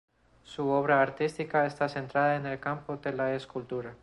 Su obra artística está centrada en el campo de la escultura.